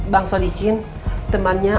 bang sodikin temannya